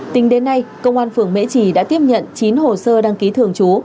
tính đến nay công an phường mễ trì đã tiếp nhận chín hồ sơ đăng ký thường trú